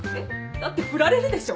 だって振られるでしょ？